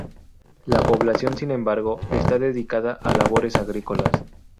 La población sin embargo está dedicada a labores agrícolas.